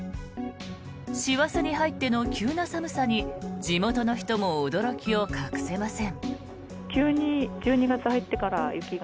師走に入っての急な寒さに地元の人も驚きを隠せません。